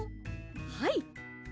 はい。